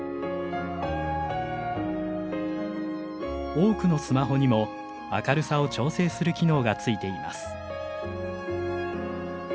多くのスマホにも明るさを調整する機能がついています。